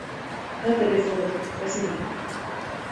На табе злоты, вазьмі.